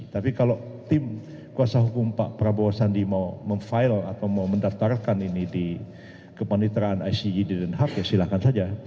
tapi kalau tim kuasa hukum pak prabowo sandi mau mem file atau mau mendaftarkan ini di kepaniteraan icg den haag ya silahkan saja